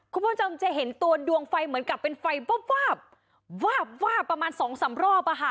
คุณผู้ชมจะเห็นตัวดวงไฟเหมือนกับเป็นไฟวาบวาบวาบวาบประมาณสองสามรอบอะค่ะ